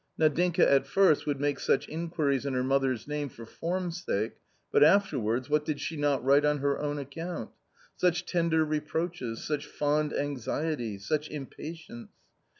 Nadinka at first would make such inquiries in her mother's name for form's sake, but after wards, what did she not write on her own account ? Such tender reproaches, such fond anxiety ! such impatience